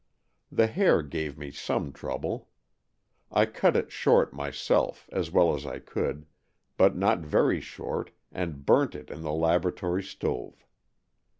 The hair gave me some trouble. I cut it short myself, as well as I could, but not very short, and burnt it in the laboratory stove.